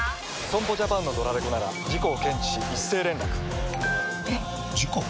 損保ジャパンのドラレコなら事故を検知し一斉連絡ピコンえっ？！事故？！